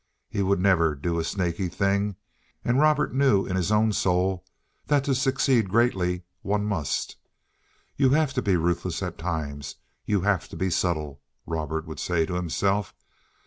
He would never do a snaky thing—and Robert knew, in his own soul, that to succeed greatly one must. "You have to be ruthless at times—you have to be subtle," Robert would say to himself.